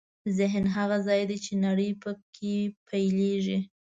ذهن هغه ځای دی چې نړۍ پکې پیلېږي.